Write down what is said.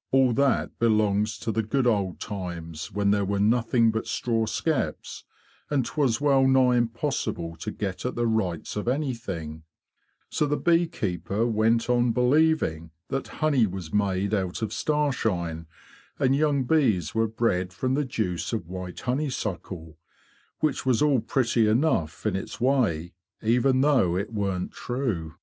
'' All that belongs to the good old times when there were nothing but straw skeps, and 'twas well nigh impossible to get at the rights of anything; so the bee keeper went on believing that honey was made out of starshine, and young bees were bred from the juice of white honeysuckle, which was all pretty enough in its way, even though it warn't true.